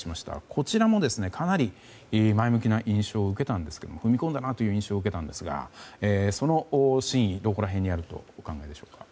こちらも、かなり前向きな印象を受けたんですけど踏み込んだなという印象を受けたんですが、その真意はどこら辺にあるとお考えでしょうか。